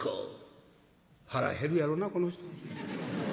「腹減るやろなこの人。